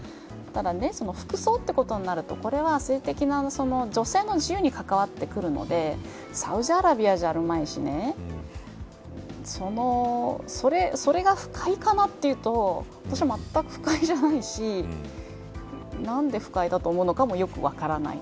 だから、服装ということになると性的な女性の自由に関わってくるのでサウジアラビアじゃあるまいしねそれが不快かなというと私は全く不快じゃないしなんで不快だと思うのかもよく分からない。